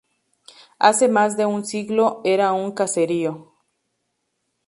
Hace más de un siglo era un caserío.